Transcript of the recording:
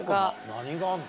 何があるの？